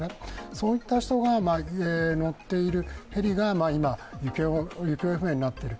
そういった人が乗っているヘリが今、行方不明になっている。